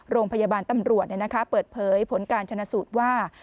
โรงพยาบาลตำรวจเปิดเผยผลการชนะสูตรว่า